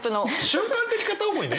瞬間的片思いね！